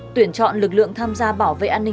tuyển chọn lực lượng tham gia bảo vệ an ninh